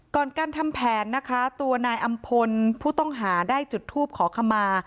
ก่อนการทำแผนนะคะตัวนายอำพลผู้ต้องหาได้จุดทูปขอขมา